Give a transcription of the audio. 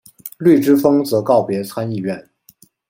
绿之风则告别参议院。